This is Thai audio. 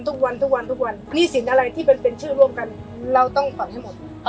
หนี้สินอะไรที่เป็นเป็นชื่อร่วมกันเราต้องฝ่าให้หมด